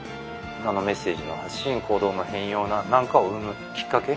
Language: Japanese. あのメッセージの発信行動の変容なんかを生むきっかけ。